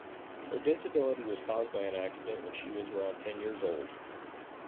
Her disability was caused by an accident when she was around ten years old.